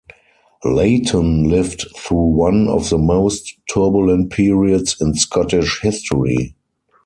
Leighton lived through one of the most turbulent periods in Scottish history.